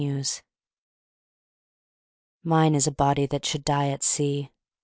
BURIAL Mine is a body that should die at sea!